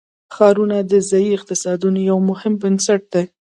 ښارونه د ځایي اقتصادونو یو مهم بنسټ دی.